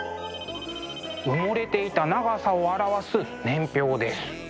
埋もれていた長さを表す年表です。